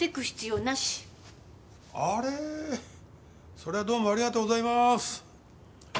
それはどうもありがとうございまーす。